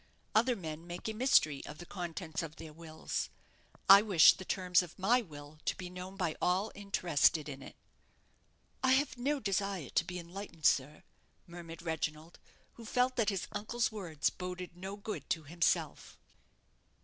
Other men make a mystery of the contents of their wills. I wish the terms of my will to be known by all interested in it." "I have no desire to be enlightened, sir," murmured Reginald, who felt that his uncle's words boded no good to himself.